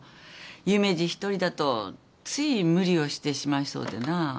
夢二一人だとつい無理をしてしまいそうでな。